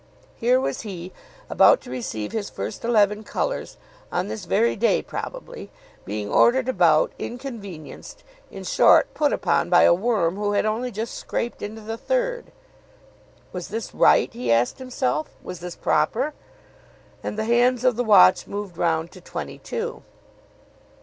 Here was he, about to receive his first eleven colours on this very day probably, being ordered about, inconvenienced in short, put upon by a worm who had only just scraped into the third. Was this right, he asked himself. Was this proper? And the hands of the watch moved round to twenty to.